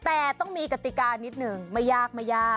แต่ต้องมีกติการนิดหนึ่งไม่ยาก